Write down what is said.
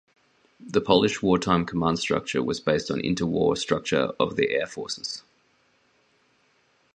The Polish war-time command structure was based on inter-war structure of the air forces.